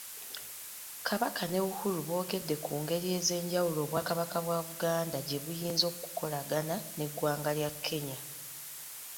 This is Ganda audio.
Kabaka ne Uhuru boogedde ku ngeri ezenjawulo Obwakabaka bwa Buganda gye buyinza okukolagana n’Eggwanga lya Kenya.